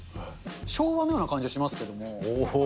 昭和のような感じがしますけども。